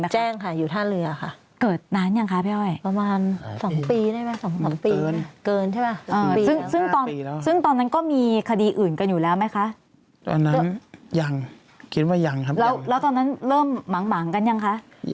ซึ่งตอนนั้นก็มีคดีอื่นกันอยู่แล้วไหมคะตอนนั้นยังคิดว่ายังครับแล้วตอนนั้นเริ่มหมากกันยังคะ